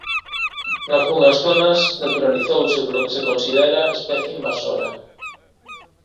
Nalgunhas zonas naturalizouse polo que se considera especie invasora.